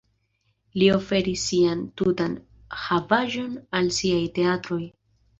Li oferis sian tutan havaĵon al siaj teatroj.